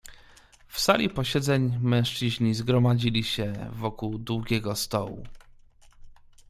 "W sali posiedzeń mężczyźni zgromadzili się wokół długiego stołu."